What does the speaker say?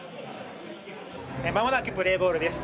間もなくプレーボールです。